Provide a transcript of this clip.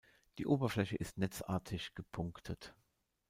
Die Oberfläche ist netzartig gepunktet.